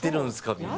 みんな。